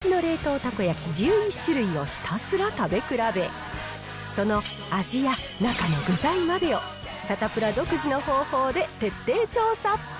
そこで今回は、人気の冷凍たこ焼き１１種類をひたすら食べ比べ、その味や中の具材までを、サタプラ独自の方法で徹底調査。